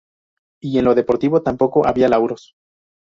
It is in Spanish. Y en lo deportivo tampoco había lauros.